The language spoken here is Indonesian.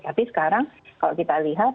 tapi sekarang kalau kita lihat